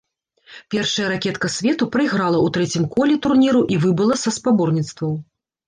Першая ракетка свету прайграла ў трэцім коле турніру і выбыла са спаборніцтваў.